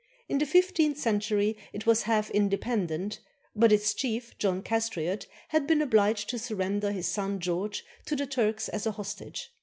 In the fifteenth cen tury it was half independent, but its chief, John Castriot, had been obliged to surrender his son George to the Turks as a hostage.